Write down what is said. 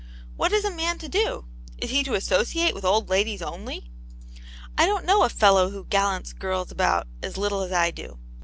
What is a man to do.^ Is he to associate with old ladies only? I don't know a fellow who gallants girls about as little as I do.